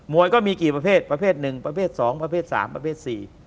วยก็มีกี่ประเภทประเภทหนึ่งประเภท๒ประเภท๓ประเภท๔